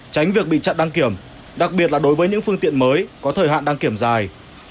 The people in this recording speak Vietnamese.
tránh việc bị chặn đăng kiểm đặc biệt là đối với những phương tiện mới có thời hạn đăng kiểm dài